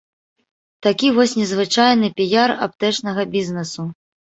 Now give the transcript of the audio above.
Такі вось незвычайны піяр аптэчнага бізнэсу.